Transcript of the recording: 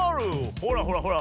ほらほらほら。